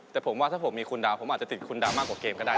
แต่ผมว่าถ้าผมมีคุณดาวผมอาจจะติดคุณดาวมากกว่าเกมก็ได้